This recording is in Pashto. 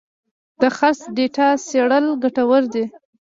د خرڅ ډیټا څېړل ګټور دي.